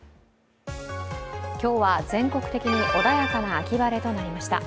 今日は全国的に穏やかな秋晴れとなりました